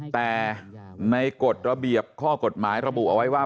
แต่ในกฎระเบียบข้อกฎหมายระบุเอาไว้ว่า